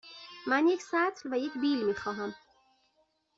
من یک سطل و یک بیل می خواهم.